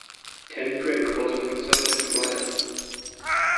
Ten Brink was a conservative writer.